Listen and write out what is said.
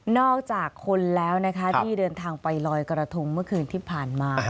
อกจากคนแล้วนะคะที่เดินทางไปลอยกระทงเมื่อคืนที่ผ่านมา